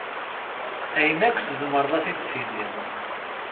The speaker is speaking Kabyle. Ayen akk tezmer ad t-id-tini.